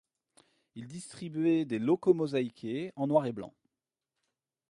Il distribuait des locaux mosaïqués en noir et blanc.